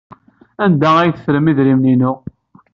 Anda ay teffrem idrimen-inu?